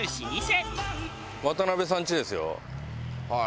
はい。